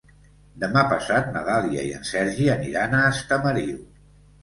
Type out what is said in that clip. Demà passat na Dàlia i en Sergi aniran a Estamariu.